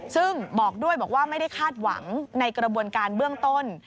ซึ่งบอกด้วยบอกว่าไม่ได้คาดหวังในกระบวนการเบื้องต้น